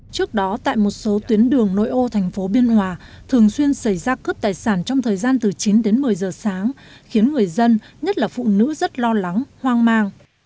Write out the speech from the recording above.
trước đó tại một số tuyến đường nội ô thành phố biên hòa thường xuyên xảy ra cướp tài sản trong thời gian từ chín đến một mươi giờ sáng khiến người dân nhất là phụ nữ rất lo lắng hoang mang